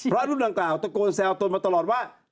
พระรูปดังกล่าวตะโกนแซวตนมาตลอดว่า